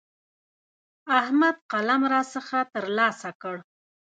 احمد قلم راڅخه تر لاسه کړ.